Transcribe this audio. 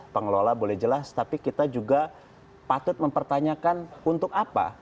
pengelola boleh jelas tapi kita juga patut mempertanyakan untuk apa